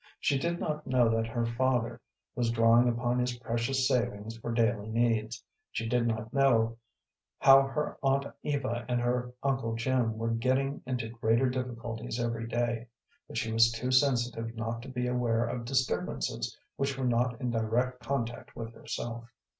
She did not know that her father was drawing upon his precious savings for daily needs, she did not know how her aunt Eva and her uncle Jim were getting into greater difficulties every day, but she was too sensitive not to be aware of disturbances which were not in direct contact with herself.